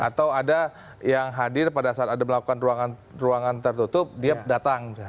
atau ada yang hadir pada saat ada melakukan ruangan tertutup dia datang